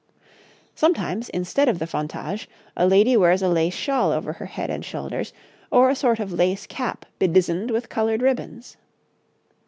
Sometimes, instead of the fontage, a lady wears a lace shawl over her head and shoulders, or a sort of lace cap bedizened with coloured ribbons.